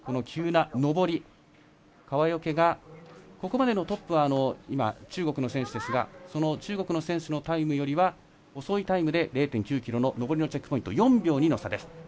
急な上り、ここまでのトップは中国の選手ですがその中国の選手のタイムよりは遅いタイムで０．９ｋｍの上りのチェックポイント４秒２の差です。